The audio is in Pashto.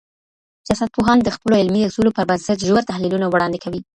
سیاستپوهان د خپلو علمي اصولو پر بنسټ ژور تحلیلونه وړاندې کوي.